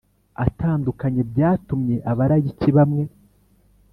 atandukanye, byatumye abalayiki bamwe